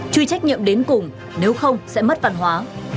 chuy trách nhiệm đến cùng nếu không sẽ mất văn hóa